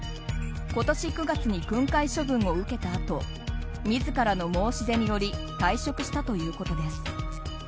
今年９月に訓戒処分を受けたあと自らの申し出により退職したということです。